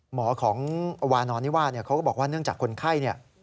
หมอของวานอนนี่ว่าเขาก็บอกว่าเนื่องจากคนไข้